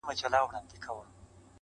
ته یې ګاږه زموږ لپاره خدای عادل دی.